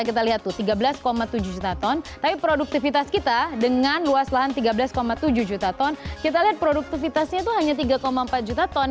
kita lihat tuh tiga belas tujuh juta ton tapi produktivitas kita dengan luas lahan tiga belas tujuh juta ton kita lihat produktivitasnya itu hanya tiga empat juta ton